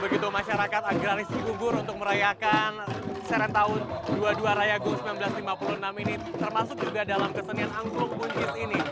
di serentown dua puluh dua rayagung seribu sembilan ratus lima puluh enam ini termasuk juga dalam kesenian angklung buncis ini